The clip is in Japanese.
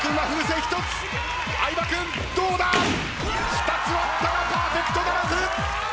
２つ割ったがパーフェクトならず！